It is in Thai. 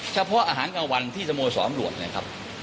เฉพาะอาหารกลางวันที่สโมสรหลวกนะครับ